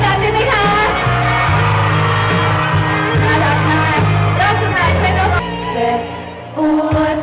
เจ็บปวดที่ทำเพราะรัก